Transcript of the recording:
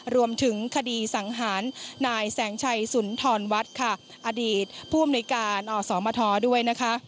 รวมถึงคดีสังหารนายแสงชัยสุนทรวัฒน์ค่ะอดีตผู้อำนวยการอสมทด้วยนะคะ